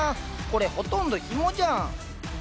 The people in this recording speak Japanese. これほとんど紐じゃん！